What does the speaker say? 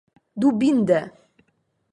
Dubinde.